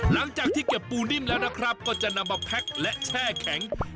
หลังจากที่เก็บปูนิ่มแล้วนะครับก็จะนำมาแพ็คและแช่แข็ง